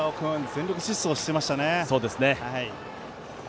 全力疾走していましたね。